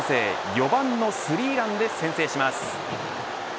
４番のスリーランで先制します。